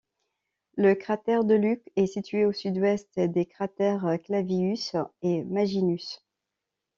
Le cratère Deluc est situé au sud-sud-ouest des cratères Clavius et Maginus.